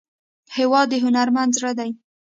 هېواد د هنرمند زړه دی.